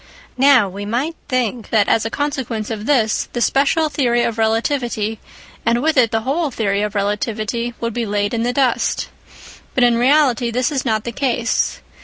Now we might think that as a consequence of this, the special theory of relativity and with it the whole theory of relativity would be laid in the dust. But in reality this is not the case.